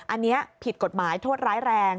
อันนี้ผิดกฎหมายโทษร้ายแรง